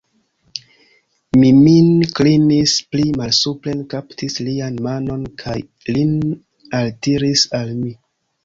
Mi min klinis pli malsupren, kaptis lian manon kaj lin altiris al mi.